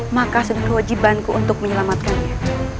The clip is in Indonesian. maka sudah kewajibanku untuk menyelamatkannya